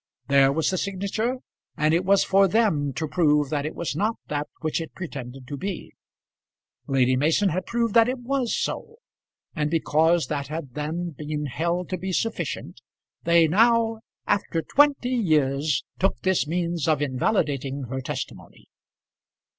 There was the signature, and it was for them to prove that it was not that which it pretended to be. Lady Mason had proved that it was so; and because that had then been held to be sufficient, they now, after twenty years, took this means of invalidating her testimony.